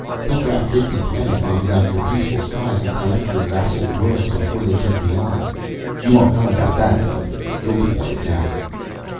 He'll drop fifty planet bombs out of your peaceful skies and collect your vassal worlds before they can rearm. You won't know about that, though. You'll be wiped out!"